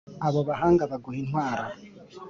Abo bahanga baguha intwaro